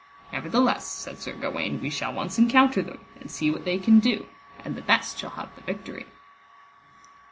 Nevertheless, said Sir Gawaine, we shall once encounter them, and see what they can do, and the best shall have the victory.